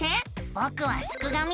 ぼくはすくがミ。